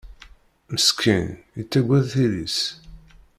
Meskin, yettagad tili-s.